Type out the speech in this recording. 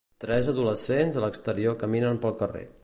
Tres adolescents a l'exterior caminen pel carrer.